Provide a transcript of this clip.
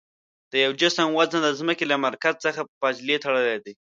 د یوه جسم وزن د ځمکې له مرکز څخه په فاصلې تړلی دی.